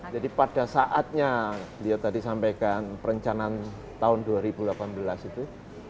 jadi pada saatnya dia tadi sampaikan perencanaan tahun dua ribu delapan belas itu